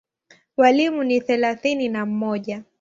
Walimu ni thelathini na mmoja.